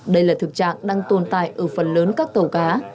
đây là thực trạng đang tồn tại ở phần lớn các tàu cá